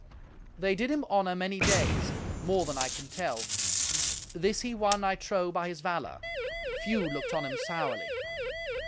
They did him honour many days: more than I can tell. This he won, I trow, by his valour. Few looked on him sourly.